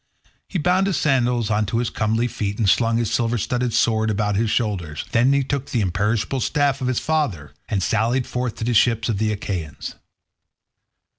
He bound his sandals on to his comely feet, and slung his silver studded sword about his shoulders; then he took the imperishable staff of his father, and sallied forth to the ships of the Achaeans.